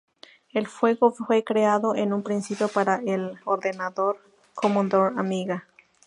El juego fue creado en un principio para el ordenador Commodore Amiga.